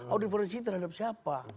audit forensik terhadap siapa